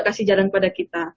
kasih jalan kepada kita